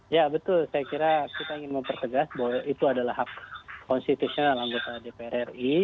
ya betul saya kira kita ingin mempertegas bahwa itu adalah hak konstitusional anggota dpr ri